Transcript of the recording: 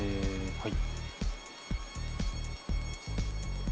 はい。